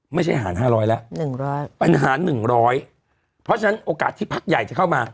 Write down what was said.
ไม่ใช่หาร๕๐๐แล้ว๑๐๐ปัญหา๑๐๐เพราะฉะนั้นโอกาสที่พักใหญ่จะเข้ามา